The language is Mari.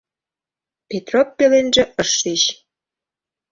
Петроп пеленже ыш шич.